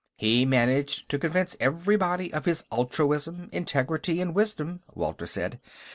He managed to convince everybody of his altruism, integrity and wisdom," Walter said.